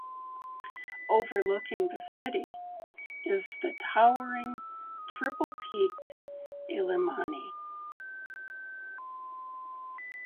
Overlooking the city is the towering, triple-peaked Illimani.